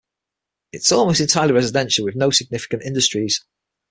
It is almost entirely residential, with no significant industries.